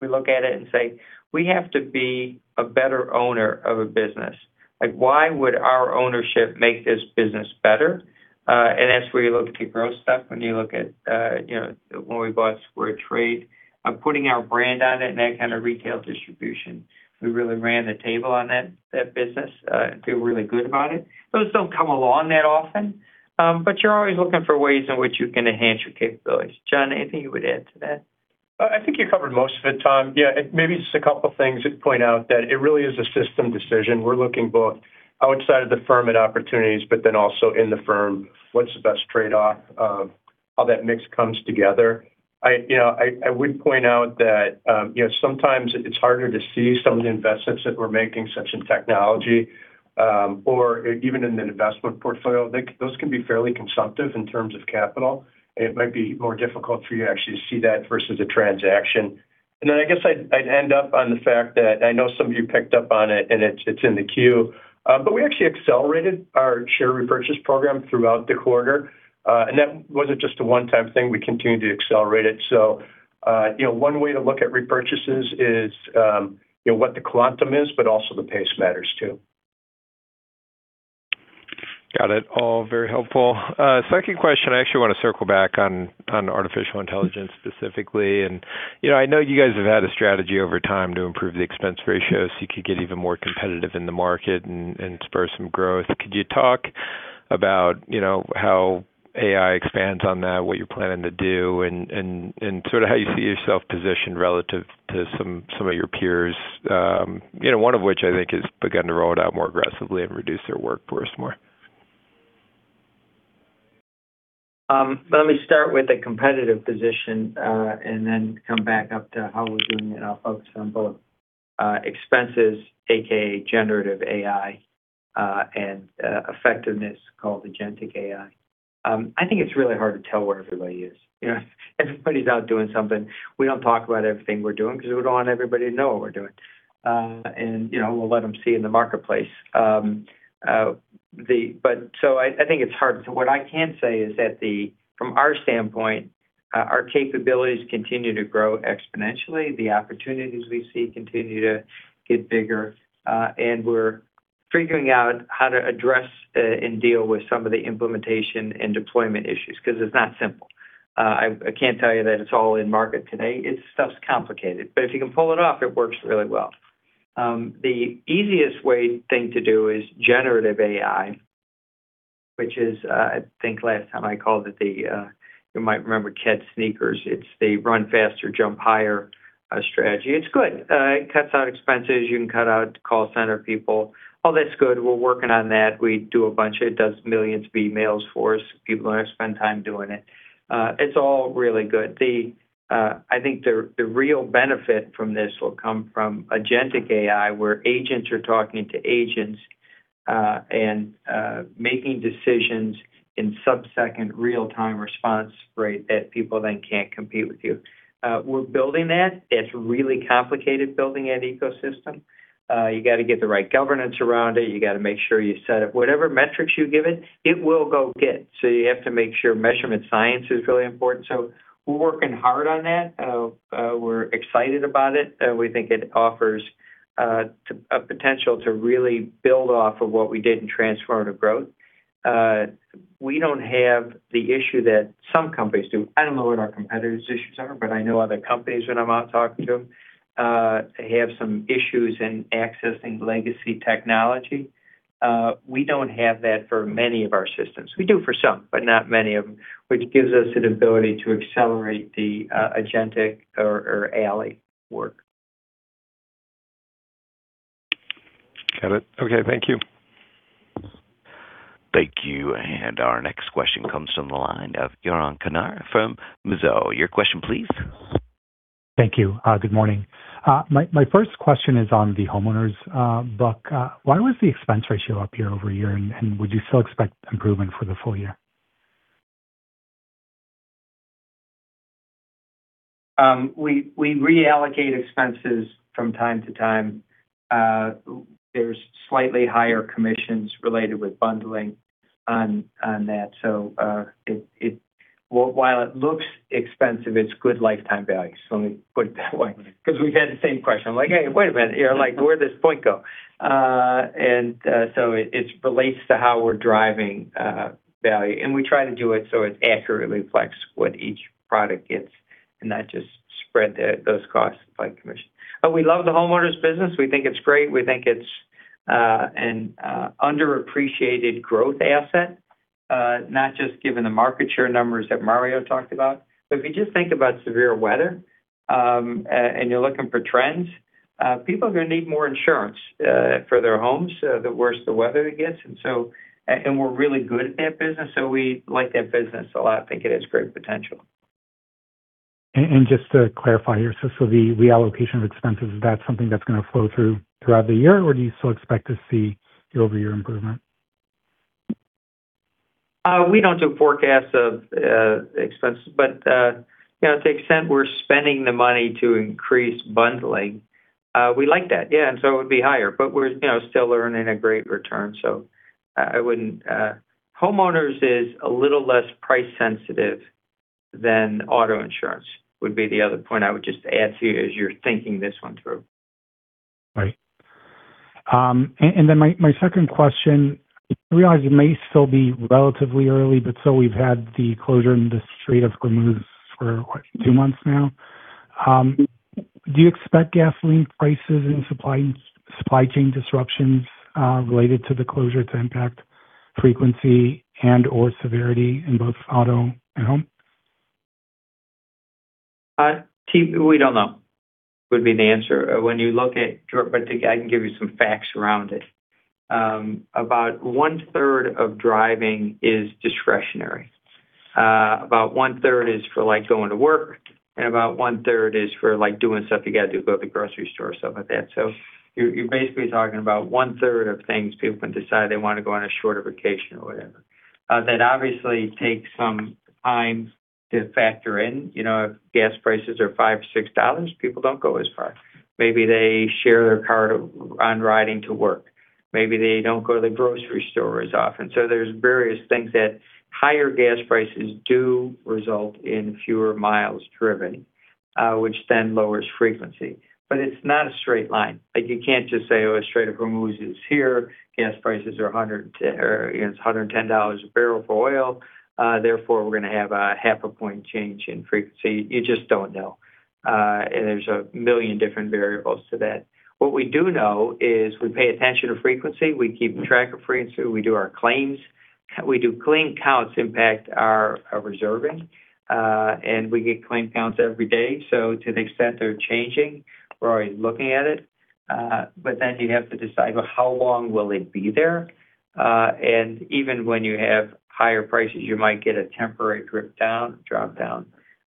D: we look at it and say, "We have to be a better owner of a business. Like, why would our ownership make this business better?" That's where you look at your growth stuff. When you look at, you know, when we bought SquareTrade, putting our brand on it and that kind of retail distribution, we really ran the table on that business. Feel really good about it. Those don't come along that often, but you're always looking for ways in which you can enhance your capabilities. John, anything you would add to that?
G: I think you covered most of it, Tom. Yeah, maybe just a couple things to point out that it really is a system decision. We're looking both outside of the firm at opportunities, but then also in the firm, what's the best trade-off of how that mix comes together. You know, I would point out that, you know, sometimes it's harder to see some of the investments that we're making, such as in technology, or even in an investment portfolio. I think those can be fairly consumptive in terms of capital. It might be more difficult for you actually to see that versus a transaction. I guess I'd end up on the fact that I know some of you picked up on it, and it's in the queue. But we actually accelerated our share repurchase program throughout the quarter. And that wasn't just a one-time thing. We continued to accelerate it. You know, one way to look at repurchases is, you know, what the quantum is, but also the pace matters too.
J: Got it. All very helpful. Second question, I actually wanna circle back on artificial intelligence specifically. You know, I know you guys have had a strategy over time to improve the expense ratio so you could get even more competitive in the market and spur some growth. Could you talk about, you know, how AI expands on that, what you're planning to do, and sort of how you see yourself positioned relative to some of your peers, you know, one of which I think has begun to roll it out more aggressively and reduce their workforce more.
D: Let me start with the competitive position, and then come back up to how we're doing it, and I'll focus on both, expenses, AKA generative AI, and effectiveness called agentic AI. I think it's really hard to tell where everybody is. You know, everybody's out doing something. We don't talk about everything we're doing 'cause we don't want everybody to know what we're doing. You know, we'll let them see in the marketplace. I think it's hard. What I can say is that, from our standpoint, our capabilities continue to grow exponentially. The opportunities we see continue to get bigger, and we're figuring out how to address, and deal with some of the implementation and deployment issues 'cause it's not simple. I can't tell you that it's all in market today. It's stuff's complicated. If you can pull it off, it works really well. The easiest way thing to do is generative AI, which is, I think last time I called it the, you might remember Keds sneakers. It's the run faster, jump higher strategy. It's good. It cuts out expenses. You can cut out call center people. All that's good. We're working on that. We do a bunch. It does millions of emails for us. People don't have to spend time doing it. It's all really good. I think the real benefit from this will come from agentic AI, where agents are talking to agents, and making decisions in subsecond real-time response rate that people then can't compete with you. We're building that. It's really complicated building that ecosystem. You got to get the right governance around it. You got to make sure you set up whatever metrics you give it will go get. You have to make sure measurement science is really important. We're working hard on that. We're excited about it. We think it offers a potential to really build off of what we did in transformative growth. We don't have the issue that some companies do. I don't know what our competitors' issues are, but I know other companies when I'm out talking to them have some issues in accessing legacy technology. We don't have that for many of our systems. We do for some, but not many of them, which gives us an ability to accelerate the agentic or ALLIE work.
J: Got it. Okay, thank you.
A: Thank you. Our next question comes from the line of Yaron Kinar from Mizuho. Your question please.
K: Thank you. Good morning. My first question is on the homeowners book. Why was the expense ratio up year-over-year? And would you still expect improvement for the full year?
D: We reallocate expenses from time to time. There's slightly higher commissions related with bundling on that. While it looks expensive, it's good lifetime value. Let me put it that way 'cause we've had the same question. I'm like, "Hey, wait a minute here. Like, where'd this point go?" It relates to how we're driving value. We try to do it so it accurately reflects what each product gets and not just spread those costs by commission. We love the homeowners business. We think it's great. We think it's an underappreciated growth asset, not just given the market share numbers that Mario talked about. If you just think about severe weather, and you're looking for trends, people are gonna need more insurance for their homes, the worse the weather it gets. We're really good at that business, so we like that business a lot. I think it has great potential.
K: Just to clarify here. The reallocation of expenses, is that something that's gonna flow through throughout the year? Do you still expect to see year-over-year improvement?
D: We don't do forecasts of expenses. You know, to the extent we're spending the money to increase bundling, we like that. Yeah, it would be higher. We're, you know, still earning a great return. I wouldn't. Homeowners is a little less price sensitive than auto insurance, would be the other point I would just add to you as you're thinking this one through.
K: Right. My second question, I realize it may still be relatively early, but we've had the closure in the Strait of Hormuz for what two months now. Do you expect gasoline prices and supply chain disruptions related to the closure to impact frequency and/or severity in both auto and home?
D: We don't know, would be the answer. I think I can give you some facts around it. About one third of driving is discretionary. About one third is for, like, going to work, and about one third is for, like, doing stuff you got to do, go to the grocery store or something like that. You're basically talking about one third of things people can decide they wanna go on a shorter vacation or whatever. That obviously takes some time to factor in. You know, if gas prices are $5, $6, people don't go as far. Maybe they share their car on riding to work. Maybe they don't go to the grocery store as often. There's various things that higher gas prices do result in fewer miles driven, which then lowers frequency. It's not a straight line. Like, you can't just say, "Oh, Gas prices are $110, or, you know, it's $110 a barrel for oil, therefore we're gonna have a half a point change in frequency." You just don't know. There's a million different variables to that. What we do know is we pay attention to frequency. We keep track of frequency. We do our claims. We do claim counts impact our reserving, and we get claim counts every day. To the extent they're changing, we're always looking at it. Then you have to decide, well, how long will it be there? Even when you have higher prices, you might get a temporary drop down,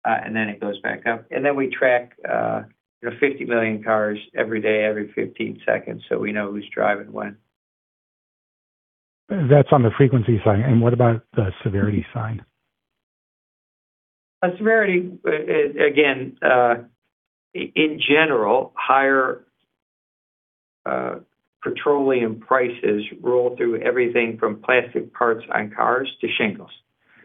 D: and then it goes back up. We track, you know, 50 million cars every day, every 15 seconds, so we know who's driving when.
K: That's on the frequency side. What about the severity side?
D: Severity, again, in general, higher petroleum prices roll through everything from plastic parts on cars to shingles.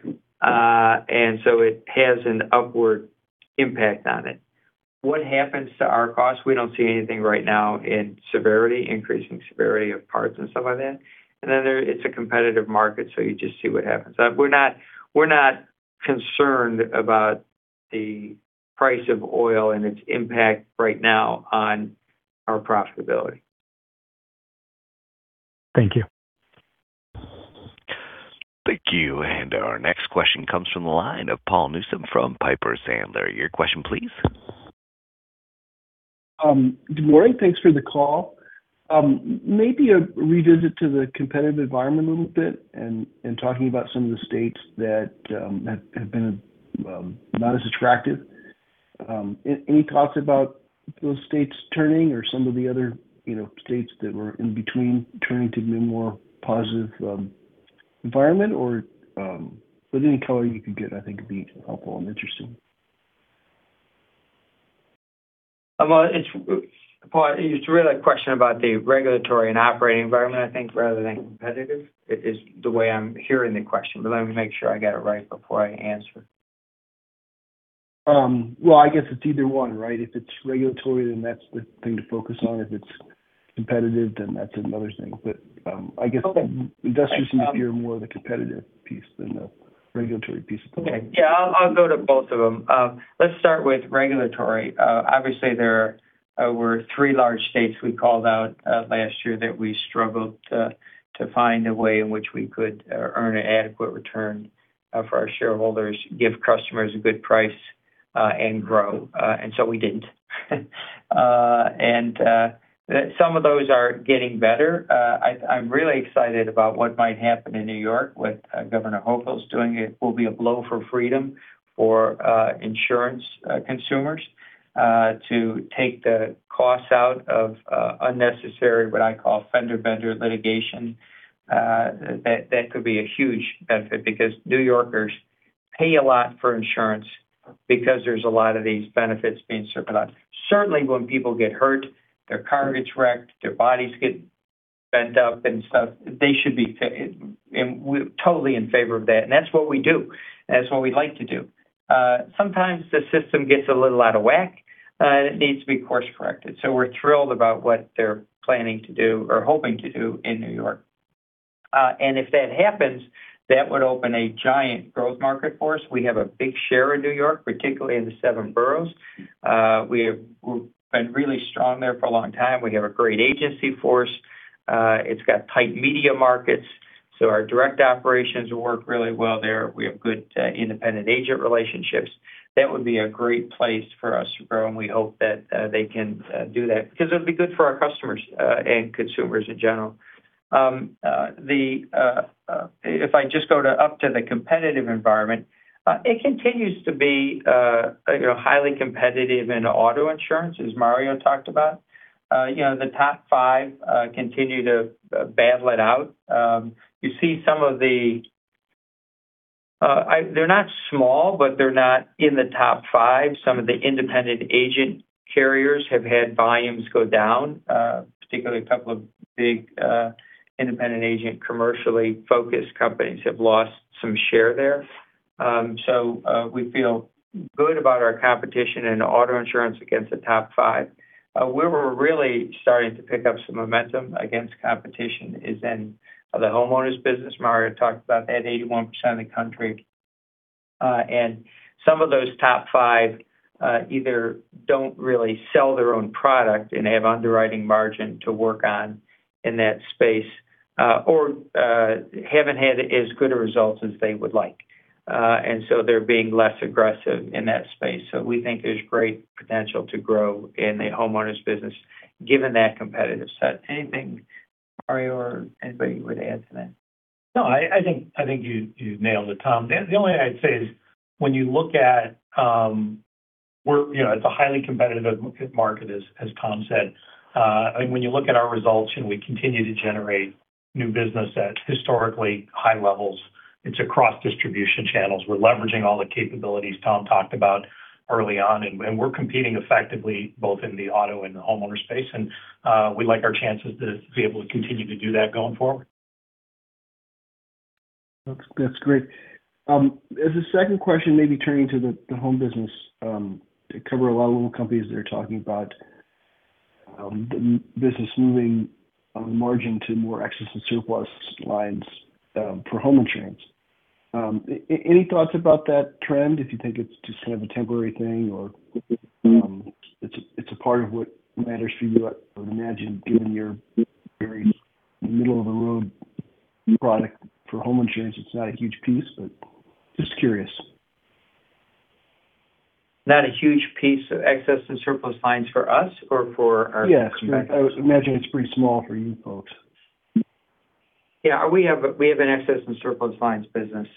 D: It has an upward impact on it. What happens to our costs? We don't see anything right now in severity, increasing severity of parts and stuff like that. There, it's a competitive market, so you just see what happens. We're not concerned about the price of oil and its impact right now on our profitability.
K: Thank you.
A: Thank you. Our next question comes from the line of Paul Newsome from Piper Sandler. Your question, please.
L: Good morning. Thanks for the call. Maybe a revisit to the competitive environment a little bit and talking about some of the states that have been not as attractive. Any thoughts about those states turning or some of the other, you know, states that were in between turning to be more positive environment or, but any color you could get I think would be helpful and interesting.
D: Well, Paul, it's really a question about the regulatory and operating environment, I think, rather than competitive is the way I'm hearing the question. Let me make sure I get it right before I answer.
L: Well, I guess it's either one, right? If it's regulatory, then that's the thing to focus on. If it's competitive, then that's another thing. I guess.
D: Okay.
L: Investors need to hear more of the competitive piece than the regulatory piece at the moment.
D: Yeah, I'll go to both of them. Let's start with regulatory. Obviously, there were three large states we called out last year that we struggled to find a way in which we could earn an adequate return for our shareholders, give customers a good price, and grow, and so we didn't. Some of those are getting better. I'm really excited about what might happen in New York with Governor Hochul's doing. It will be a blow for freedom for insurance consumers to take the costs out of unnecessary, what I call fender bender litigation. That could be a huge benefit because New Yorkers pay a lot for insurance because there's a lot of these benefits being circulated. Certainly, when people get hurt, their car gets wrecked, their bodies get bent up and stuff, they should be paid, and we're totally in favor of that, and that's what we do. That's what we like to do. Sometimes the system gets a little out of whack, and it needs to be course-corrected. We're thrilled about what they're planning to do or hoping to do in New York. If that happens, that would open a giant growth market for us. We have a big share in New York, particularly in the five boroughs. We've been really strong there for a long time. We have a great agency force. It's got tight media markets, so our direct operations work really well there. We have good independent agent relationships. That would be a great place for us to grow, and we hope that they can do that because it'll be good for our customers and consumers in general. If I just go up to the competitive environment, it continues to be, you know, highly competitive in auto insurance as Mario talked about. You know, the top 5 continue to battle it out. You see some of the, they're not small, but they're not in the top 5. Some of the independent agent carriers have had volumes go down. Particularly 2 big independent agent commercially focused companies have lost some share there. We feel good about our competition in auto insurance against the top 5. Where we're really starting to pick up some momentum against competition is in the homeowners business. Mario talked about that, 81% of the country. Some of those top five either don't really sell their own product and have underwriting margin to work on in that space, or haven't had as good results as they would like. They're being less aggressive in that space. We think there's great potential to grow in the homeowners business given that competitive set. Anything Mario or anybody would add to that?
E: No, I think, I think you nailed it, Tom. The, the only thing I'd say is when you look at, you know, it's a highly competitive market, as Tom said. I think when you look at our results and we continue to generate new business at historically high levels, it's across distribution channels. We're leveraging all the capabilities Tom talked about early on, and we're competing effectively both in the auto and the homeowner space. We like our chances to be able to continue to do that going forward.
L: That's great. As a second question, maybe turning to the home business, it covered a lot of little companies that are talking about the business moving on the margin to more excess and surplus lines for home insurance. Any thoughts about that trend, if you think it's just kind of a temporary thing or it's a part of what matters for you? I would imagine given your very middle-of-the-road product for home insurance, it's not a huge piece, but just curious.
D: Not a huge piece of excess and surplus lines for us or for our competitors?
L: Yes. I would imagine it's pretty small for you folks.
D: Yeah. We have an excess and surplus lines business.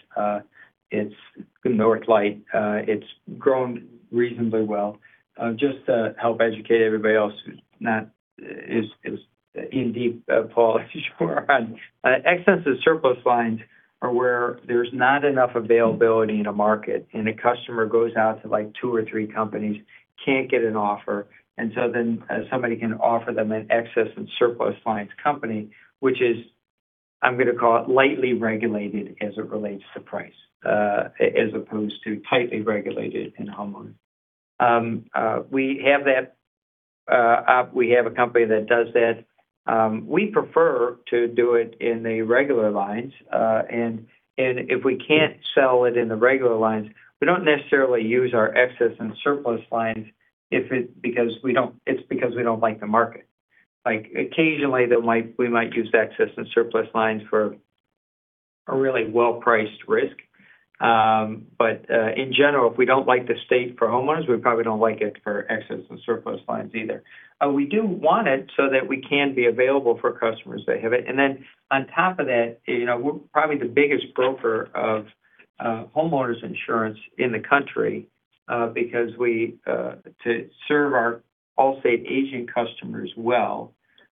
D: It's the NorthLight. It's grown reasonably well. Just to help educate everybody else who's not as in deep, Paul, as you are on. Excess and surplus lines are where there's not enough availability in a market, and a customer goes out to, like, 2 or 3 companies, can't get an offer, and so then, somebody can offer them an excess and surplus lines company, which is, I'm gonna call it lightly regulated as it relates to price, as opposed to tightly regulated in homeowners. We have a company that does that. We prefer to do it in the regular lines. If we can't sell it in the regular lines, we don't necessarily use our excess and surplus lines because we don't like the market. Like, occasionally they might, we might use excess and surplus lines for a really well-priced risk. In general, if we don't like the state for homeowners, we probably don't like it for excess and surplus lines either. We do want it so that we can be available for customers that have it. On top of that, you know, we're probably the biggest broker of homeowners insurance in the country, because to serve our Allstate agent customers well,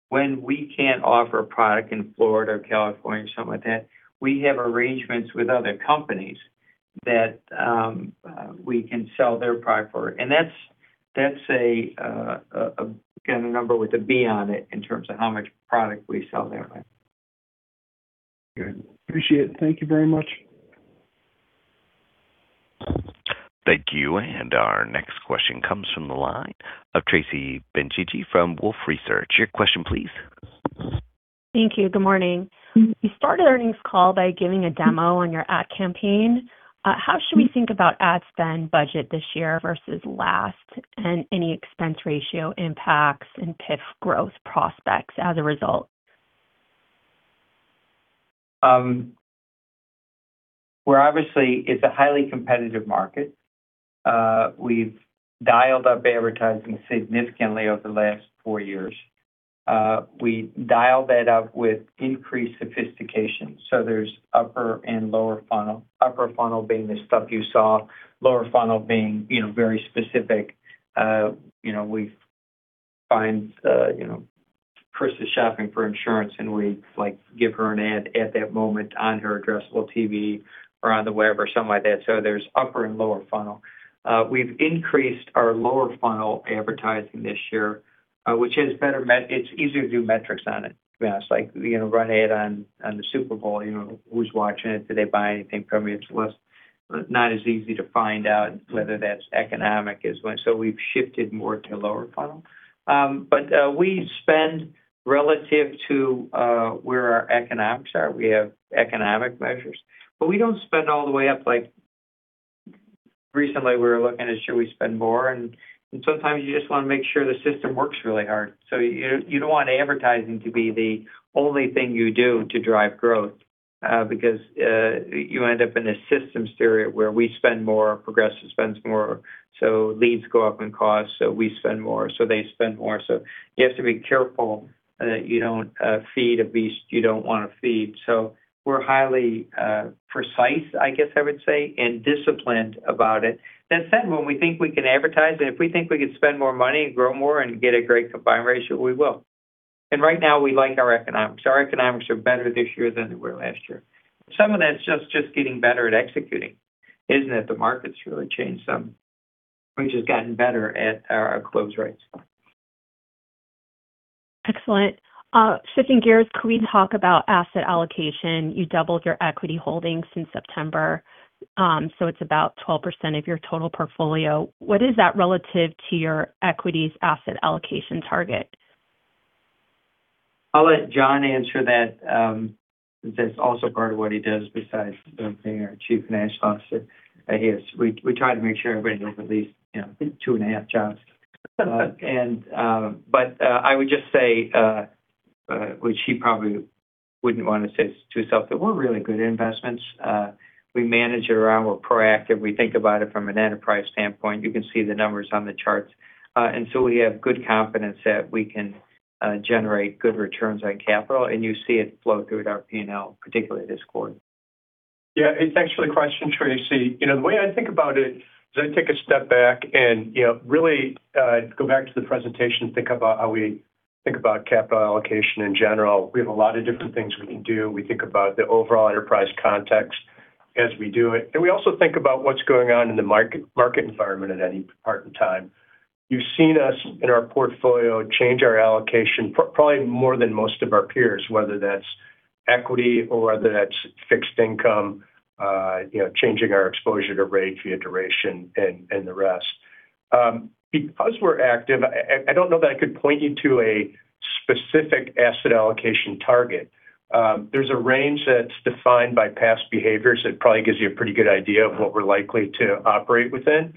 D: when we can't offer a product in Florida or California or something like that, we have arrangements with other companies that we can sell their product for. That's again a number with a B on it in terms of how much product we sell that way.
L: Good. Appreciate it. Thank you very much.
A: Thank you. Our next question comes from the line of Tracy Benguigui from Wolfe Research. Your question, please.
M: Thank you. Good morning. You started the earnings call by giving a demo on your ad campaign. How should we think about ad spend budget this year versus last, and any expense ratio impacts and PIF growth prospects as a result?
D: It's a highly competitive market. We've dialed up advertising significantly over the last four years. We dialed that up with increased sophistication, so there's upper and lower funnel. Upper funnel being the stuff you saw, lower funnel being, you know, very specific. You know, we find, you know, Chris is shopping for insurance, and we, like, give her an ad at that moment on her addressable TV or on the web or something like that. There's upper and lower funnel. We've increased our lower funnel advertising this year, which has better metrics. It's easier to do metrics on it. It's like, you know, run ad on the Super Bowl, you know, who's watching it? Do they buy anything from you? It's less not as easy to find out whether that's economic as when. We've shifted more to lower funnel. We spend relative to where our economics are. We have economic measures, but we don't spend all the way up. Like recently, we were looking at should we spend more? Sometimes you just want to make sure the system works really hard. You don't want advertising to be the only thing you do to drive growth, because you end up in a systems theory where we spend more, Progressive spends more, so leads go up in cost, so we spend more, so they spend more. You have to be careful that you don't feed a beast you don't wanna feed. We're highly precise, I guess I would say, and disciplined about it. That said, when we think we can advertise and if we think we could spend more money and grow more and get a great combined ratio, we will. Right now, we like our economics. Our economics are better this year than they were last year. Some of that's just getting better at executing. It isn't that the market's really changed some. We've just gotten better at our close rates.
M: Excellent. Shifting gears, can we talk about asset allocation? You doubled your equity holdings since September, so it's about 12% of your total portfolio. What is that relative to your equities asset allocation target?
D: I'll let John answer that, since that's also part of what he does besides being our Chief Financial Officer. We try to make sure everybody knows at least, you know, 2.5 jobs. I would just say, which he probably wouldn't want to say to himself, that we're really good investments. We manage it around. We're proactive. We think about it from an enterprise standpoint. You can see the numbers on the charts. We have good confidence that we can generate good returns on capital, and you see it flow through our P&L, particularly this quarter.
G: Yeah. Hey, thanks for the question, Tracy. You know, the way I think about it is I take a step back and, you know, really, go back to the presentation, think about how we think about capital allocation in general. We have a lot of different things we can do. We think about the overall enterprise context as we do it. We also think about what's going on in the market environment at any part in time. You've seen us in our portfolio change our allocation probably more than most of our peers, whether that's equity or whether that's fixed income, you know, changing our exposure to rate via duration and the rest. Because we're active, I don't know that I could point you to a specific asset allocation target. There's a range that's defined by past behaviors that probably gives you a pretty good idea of what we're likely to operate within.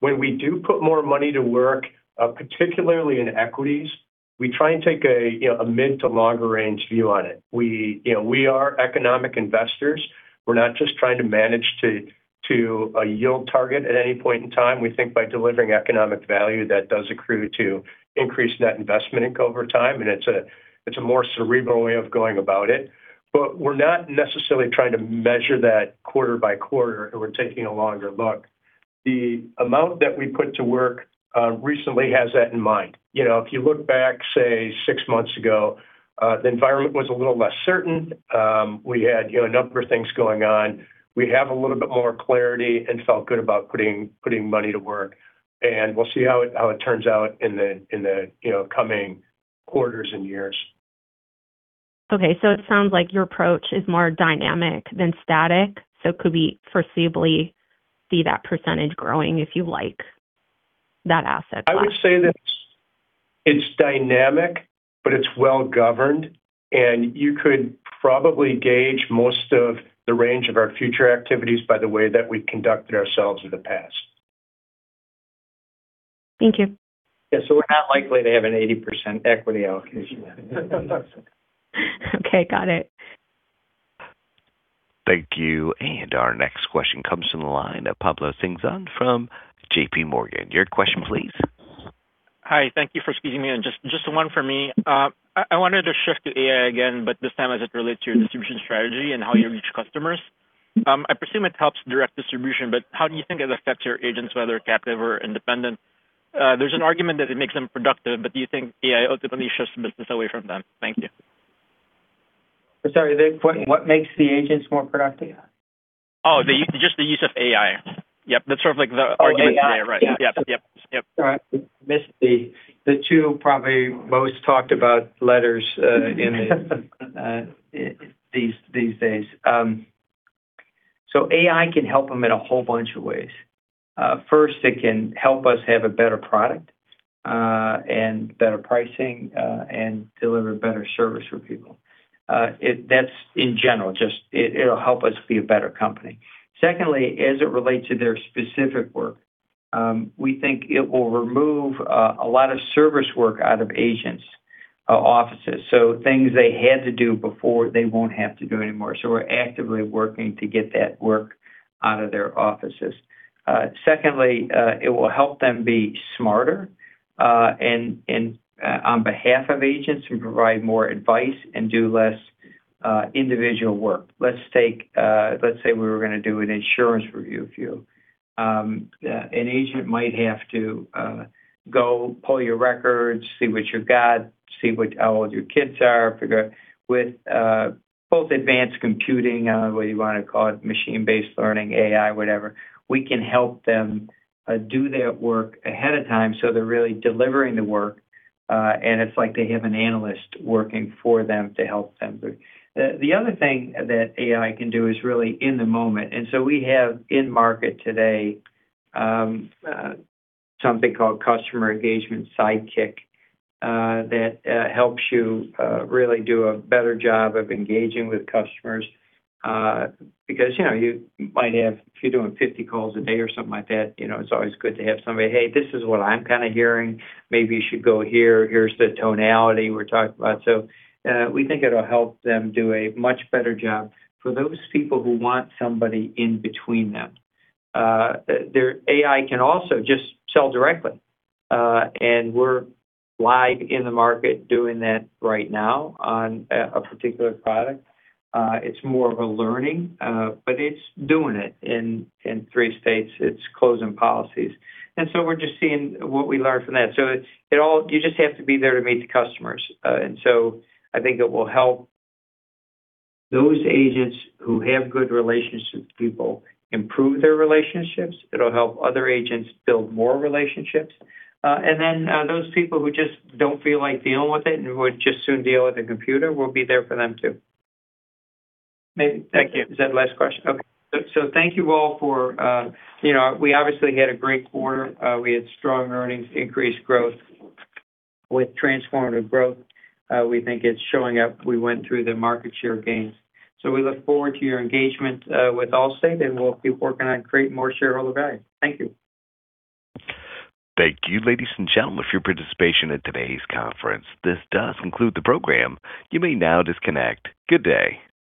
G: When we do put more money to work, particularly in equities, we try and take a, you know, a mid to longer range view on it. We, you know, we are economic investors. We're not just trying to manage to a yield target at any point in time. We think by delivering economic value that does accrue to increase net investment over time, and it's a more cerebral way of going about it. We're not necessarily trying to measure that quarter by quarter, and we're taking a longer look. The amount that we put to work recently has that in mind. You know, if you look back, say, six months ago, the environment was a little less certain. We had, you know, a number of things going on. We have a little bit more clarity and felt good about putting money to work, and we'll see how it turns out in the, you know, coming quarters and years.
M: Okay. It sounds like your approach is more dynamic than static, so could we foreseeably see that percentage growing if you like that asset class?
G: I would say that it's dynamic, but it's well-governed, and you could probably gauge most of the range of our future activities by the way that we've conducted ourselves in the past.
M: Thank you.
D: Yeah. We're not likely to have an 80% equity allocation.
M: Okay, got it.
A: Thank you. Our next question comes from the line of Pablo Singh from JPMorgan. Your question please.
N: Hi. Thank you for squeezing me in. Just one for me. I wanted to shift to AI again, but this time as it relates to your distribution strategy and how you reach customers. I presume it helps direct distribution, but how do you think it affects your agents, whether captive or independent? There's an argument that it makes them productive, but do you think AI ultimately shifts business away from them? Thank you.
D: Sorry. What makes the agents more productive?
N: Just the use of AI. Yep. That's sort of like the argument today.
D: Oh, AI.
N: Right. Yes.
D: Sorry. I missed the two probably most talked about letters in these days. AI can help them in a whole bunch of ways. First, it can help us have a better product and better pricing and deliver better service for people. That's in general, just it. It'll help us be a better company. Secondly, as it relates to their specific work, we think it will remove a lot of service work out of agents' offices. Things they had to do before, they won't have to do anymore. We're actively working to get that work out of their offices. Secondly, it will help them be smarter and on behalf of agents who provide more advice and do less individual work. Let's say we were gonna do an insurance review for you. An agent might have to go pull your records, see what you've got, see what, how old your kids are, figure out. With both advanced computing, whether you wanna call it machine-based learning, AI, whatever, we can help them do that work ahead of time, so they're really delivering the work, and it's like they have an analyst working for them to help them. The other thing that AI can do is really in the moment. We have in market today, something called Customer Engagement Sidekick, that helps you really do a better job of engaging with customers. Because, you know, you might have, if you're doing 50 calls a day or something like that, you know, it's always good to have somebody, "Hey, this is what I'm kind of hearing. Maybe you should go here. Here's the tonality we're talking about." We think it'll help them do a much better job for those people who want somebody in between them. Their AI can also just sell directly, and we're live in the market doing that right now on a particular product. It's more of a learning, but it's doing it in 3 states. It's closing policies. We're just seeing what we learn from that. You just have to be there to meet the customers. I think it will help those agents who have good relationships with people improve their relationships. It'll help other agents build more relationships. Those people who just don't feel like dealing with it and would just as soon deal with a computer, we'll be there for them too. Thank you. Is that the last question? Okay. Thank you all for, you know, we obviously had a great quarter. We had strong earnings, increased growth with transformative growth. We think it's showing up. We went through the market share gains. We look forward to your engagement with Allstate, and we'll keep working on creating more shareholder value. Thank you.
A: Thank you, ladies and gentlemen, for your participation in today's conference. This does conclude the program. You may now disconnect. Good day.